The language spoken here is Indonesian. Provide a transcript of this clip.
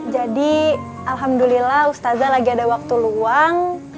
jadi alhamdulillah ustad lagi ada waktu luang